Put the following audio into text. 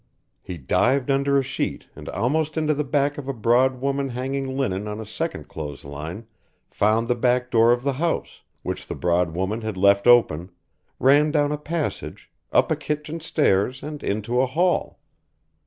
He dived under a sheet and almost into the back of a broad woman hanging linen on a second clothes line, found the back door of the house, which the broad woman had left open, ran down a passage, up a kitchen stairs and into a hall.